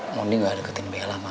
mondi gak deketin bella mama